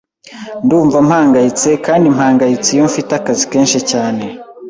Ndumva mpangayitse kandi mpangayitse iyo mfite akazi kenshi cyane.